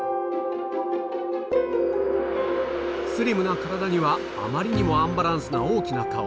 スリムな体にはあまりにもアンバランスな大きな顔